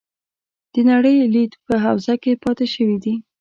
د نړۍ لید په حوزه کې پاتې شوي دي.